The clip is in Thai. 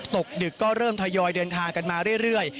ดึกก็เริ่มทยอยเดินทางกันมาเรื่อย